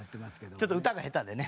ちょっと歌が下手でね。